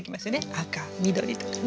赤緑とかね。